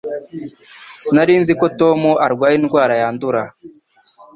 Sinari nzi ko Tom arwaye indwara yandura